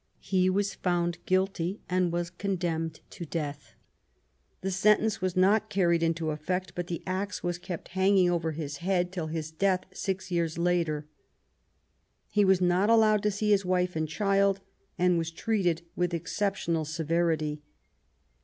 He was found guilty and was condemned to death. The 246 QUEEN ELIZABETH, sentence was not carried into effect, but the axe was kept hanging over his head till his death six years later. He was not allowed to see his wife and child, and was treated with exceptional severity.